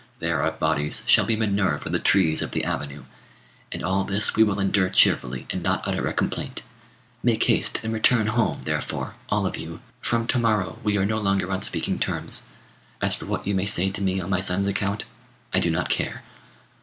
There our bodies shall be manure for the trees of the avenue. And all this we will endure cheerfully, and not utter a complaint. Make haste and return home, therefore, all of you. From to morrow we are no longer on speaking terms. As for what you may say to me on my son's account, I do not care."